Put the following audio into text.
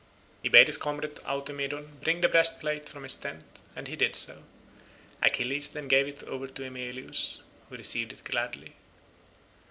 He bade his comrade Automedon bring the breastplate from his tent, and he did so. Achilles then gave it over to Eumelus, who received it gladly.